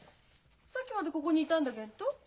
さっきまでここにいたんだげんと？